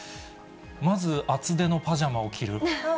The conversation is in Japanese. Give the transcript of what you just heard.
まず厚手のパジャマを着る。